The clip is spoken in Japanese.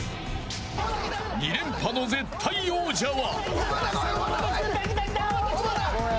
２連覇の絶対王者は。